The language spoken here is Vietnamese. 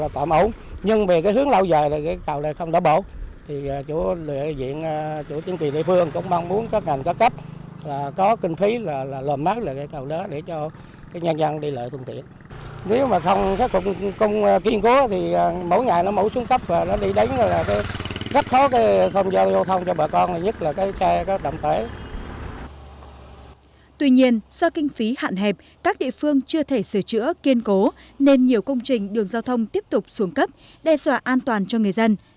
tuy nhiên do kinh phí hạn hẹp các địa phương chưa thể sửa chữa kiên cố nên nhiều công trình đường giao thông tiếp tục xuống cấp đe dọa an toàn cho người dân